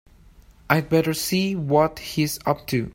I'd better see what he's up to.